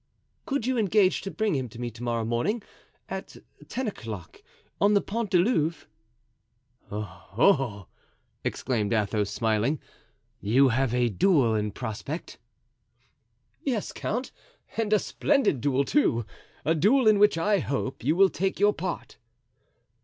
"Could you engage to bring him to me to morrow morning at ten o'clock, on the Pont du Louvre?" "Oh, oh!" exclaimed Athos, smiling, "you have a duel in prospect." "Yes, count, and a splendid duel, too; a duel in which I hope you will take your part."